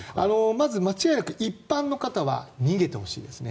まず間違いなく一般の方は逃げてほしいですね。